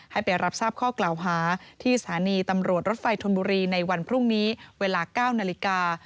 ให้ไปรับทราบข้อกล่าวหาที่สถานีตำรวจรถไฟธนบุรีในวันพรุ่งนี้เวลา๙นาฬิกา